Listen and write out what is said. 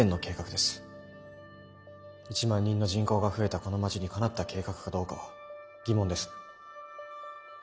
１万人の人口が増えたこの街にかなった計画かどうかは疑問です。